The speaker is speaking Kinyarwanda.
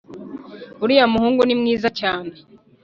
uriya muhungu ni mwiza cyane